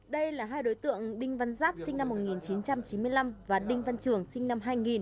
đây là hai đối tượng đinh văn giáp sinh năm một nghìn chín trăm chín mươi năm và đinh văn trường sinh năm hai nghìn